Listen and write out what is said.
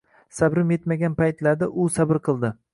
sabrim yetmagan paytlarda u sabr qildi.